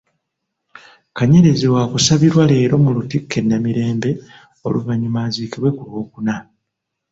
Kanyerezi wakusabirwa leero mu Lutikko e Namirembe oluvanyuma eziikibwe ku lw'okuna.